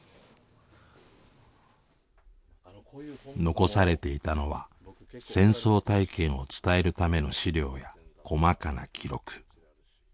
遺されていたのは戦争体験を伝えるための資料や細かな記録。